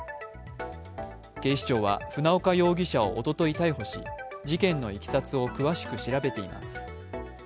警視庁は船岡容疑者をおととい逮捕し、事件のいきさつを詳しく調べています。